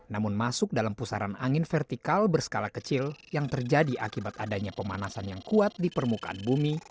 namun masuk dalam pusaran angin vertikal berskala kecil yang terjadi akibat adanya pemanasan yang kuat di permukaan bumi